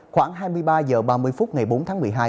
khoảng hai mươi ba h ba mươi phút ngày bốn tháng một mươi hai